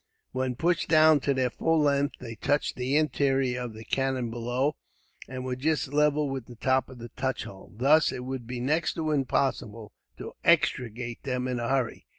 When pushed down to their full length, they touched the interior of the cannon below, and were just level with the top of the touch hole. Thus, it would be next to impossible to extricate them in a hurry.